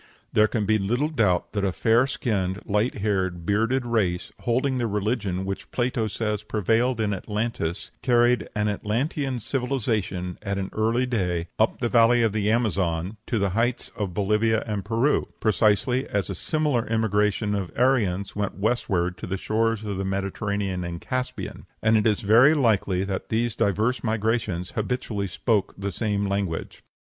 There can be little doubt that a fair skinned, light haired, bearded race, holding the religion which Plato says prevailed in Atlantis, carried an Atlantean civilization at an early day up the valley of the Amazon to the heights of Bolivia and Peru, precisely as a similar emigration of Aryans went westward to the shores of the Mediterranean and Caspian, and it is very likely that these diverse migrations habitually spoke the same language.